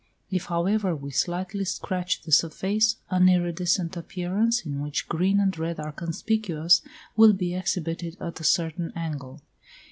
If, however, we slightly scratch the surface, an iridescent appearance, in which green and red are conspicuous, will be exhibited at a certain angle.